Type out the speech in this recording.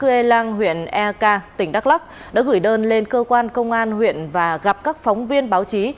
người dân xã cưê lang huyện ea ca tỉnh đắk lắc đã gửi đơn lên cơ quan công an huyện và gặp các phóng viên báo chí